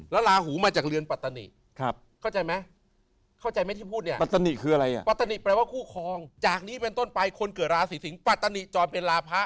แล้วราหูมาจากเรือนปัตตนี่